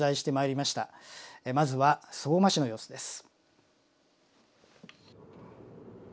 まずは相馬市の様子です。